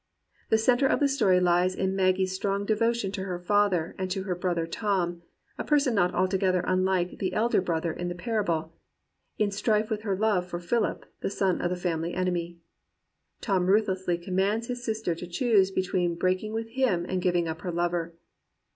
The centre of the story hes in Maggie's strong devotion to her father and to her brother Tom — a person not altogether unlike the "elder brother" in the parable — in strife with her love for Philip, the son of the family enemy. Tom ruth lessly commands his sister to choose between break ing with him and giving up her lover.